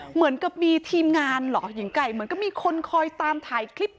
เหมือนกับมีทีมงานเหรอหญิงไก่เหมือนก็มีคนคอยตามถ่ายคลิป